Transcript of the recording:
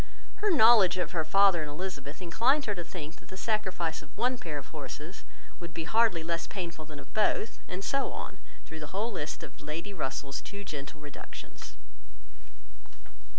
Her knowledge of her father and Elizabeth inclined her to think that the sacrifice of one pair of horses would be hardly less painful than of both, and so on, through the whole list of Lady Russell's too gentle reductions.